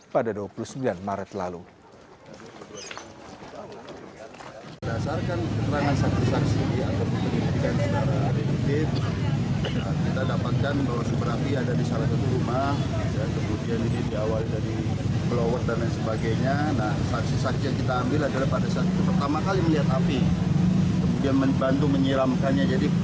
pada bulan februari